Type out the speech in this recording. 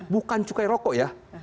bukan cukai rokok ya